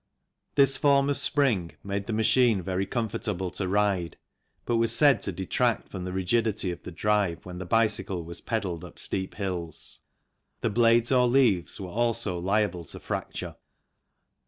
This form of spring made the machine very comfortable to ride but was said to detract from the rigidity of the drive when the bicycle was pedalled up steep hills ; the blades or leaves were also liable to fracture.